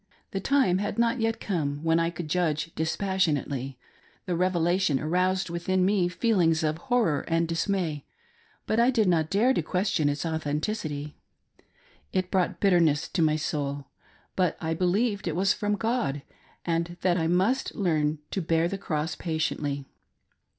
The time had not yet come when I cpuld judge dis passionately : the " revelation " aroused within me feelings of horror and dismay, but I did not dare to question its authen tfcity. It brought bitterness to my soul, but I believed it was from God, and that I must learn to bear the cross patiently.